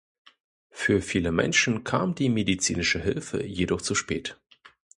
Für viele Menschen kam die medizinische Hilfe jedoch zu spät.